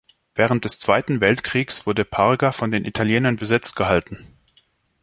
Während des Zweiten Weltkriegs wurde Parga von den Italienern besetzt gehalten.